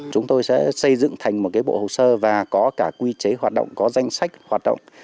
chúng tôi sẽ xây dựng thành một bộ hồ sơ và có cả quy chế hoạt động có danh sách hoạt động